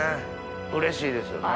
うれしいですよね。